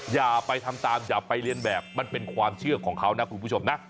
อย่าไปทำตามอย่าไปเรียนแบบมันเป็นความเชื่อของเขานะคุณผู้ชมนะ